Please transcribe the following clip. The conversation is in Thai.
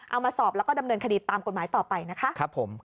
เอามาสอบแล้วก็ดำเนินคดีตามกฎหมายต่อไปนะคะครับผม